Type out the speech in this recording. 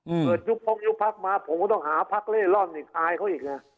เกิดยุบพกยุบพักมาผมก็ต้องหาพักเล่ร่อนอีกอายเขาอีกไง